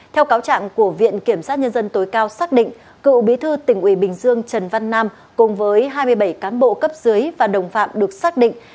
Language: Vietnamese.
theo cáo trạng của viện kiểm sát nhân dân tối cao xác định cựu bí thư tỉnh ủy bình dương trần văn nam cùng với hai mươi bảy cán bộ cấp dưới và đồng phạm được xác định